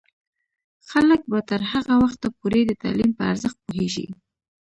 خلک به تر هغه وخته پورې د تعلیم په ارزښت پوهیږي.